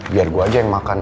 biar gue aja yang makan